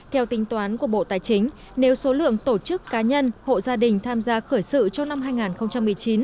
theo tính toán của bộ tài chính nếu số lượng tổ chức cá nhân hộ gia đình tham gia khởi sự cho năm hai nghìn một mươi chín